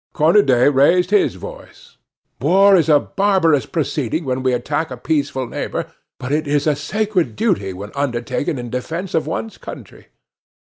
Cornudet raised his voice: "War is a barbarous proceeding when we attack a peaceful neighbor, but it is a sacred duty when undertaken in defence of one's country."